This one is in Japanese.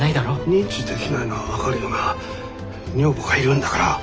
認知できないのは分かるよな女房がいるんだから。